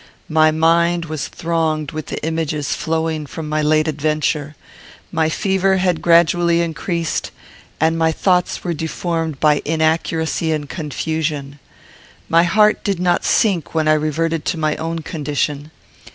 My mind was thronged with the images flowing from my late adventure. My fever had gradually increased, and my thoughts were deformed by inaccuracy and confusion. My heart did not sink when I reverted to my own condition.